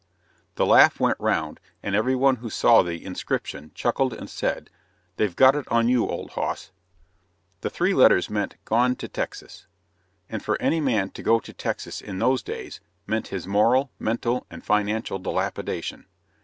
The laugh went round, and every one who saw the inscription chuckled and said: "They've got it on you, old hoss!" The three letters meant "gone to Texas"; and for any man to go to Texas in those days meant his moral, mental, and financial dilapidation.